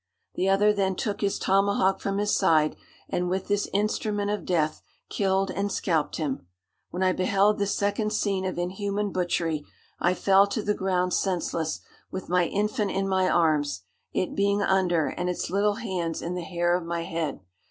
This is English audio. The other then took his tomahawk from his side, and with this instrument of death killed and scalped him. When I beheld this second scene of inhuman butchery, I fell to the ground senseless, with my infant in my arms, it being under, and its little hands in the hair of my head.